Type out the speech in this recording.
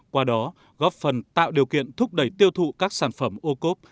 qua đó góp phần tạo điều kiện thúc đẩy tiêu thụ các sản phẩm ô cốp